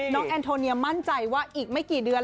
แอนโทเนียมั่นใจว่าอีกไม่กี่เดือน